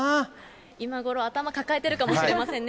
今ごろ、頭抱えてるかもしれませんね。